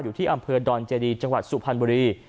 อยู่ที่อำเภอดอนเจดีจังหวัดสุพรรณบุรี